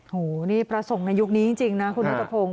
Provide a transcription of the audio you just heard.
โหนี่พระสงฆ์ในยุคนี้จริงนะคุณนัทพงศ์